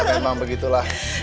ya memang begitulah